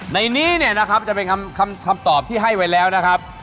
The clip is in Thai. ในนี้เนี่ยนะครับจะเป็นคำตอบที่ให้ไว้แล้วนะครับ